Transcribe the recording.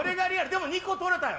でも２個とれたよ。